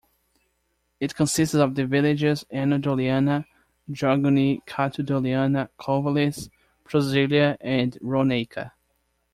It consists of the villages Ano Doliana, Dragouni, Kato Doliana, Kouvlis, Prosilia and Rouneika.